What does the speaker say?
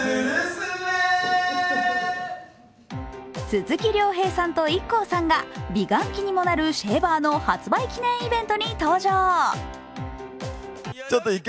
鈴木亮平さんとＩＫＫＯさんが美顔器にもなるシェーバーの発売記念イベントに登場。